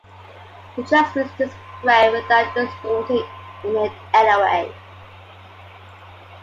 He transmits this prayer without distorting it in any way.